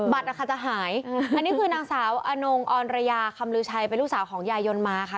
จะหายอันนี้คือนางสาวอนงออนระยาคำลือชัยเป็นลูกสาวของยายนมาค่ะ